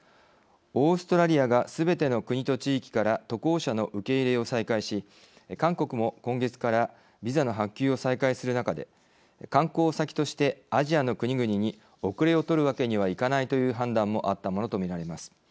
オーストラリアがすべての国と地域から渡航者の受け入れを再開し韓国も今月からビザの発給を再開する中で観光先としてアジアの国々に後れを取るわけにはいかないという判断もあったものとみられます。